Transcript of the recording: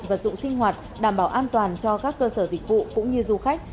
vật dụng sinh hoạt đảm bảo an toàn cho các cơ sở dịch vụ cũng như du khách